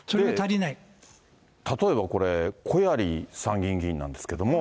例えばこれ、小鑓参議院議員なんですけども。